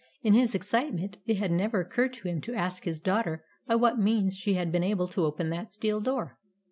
In his excitement, it had never occurred to him to ask his daughter by what means she had been able to open that steel door.